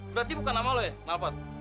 berarti bukan sama lu ya nalpat